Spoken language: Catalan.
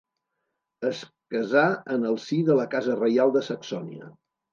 Es casà en el si de la casa reial de Saxònia.